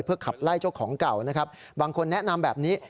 ขับไล่เจ้าของเก่านะครับบางคนแนะนำแบบนี้